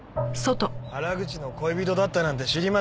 原口の恋人だったなんて知りませんでしたよ。